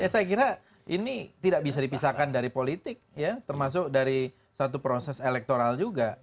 saya kira ini tidak bisa dipisahkan dari politik ya termasuk dari satu proses elektoral juga